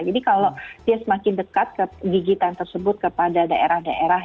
jadi kalau dia semakin dekat ke gigitan tersebut kepada daerah daerah